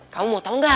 kamu mau tau ga